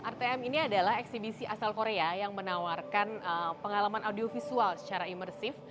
rtm ini adalah eksibisi asal korea yang menawarkan pengalaman audiovisual secara imersif